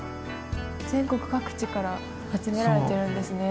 全国各地から集められてるんですね。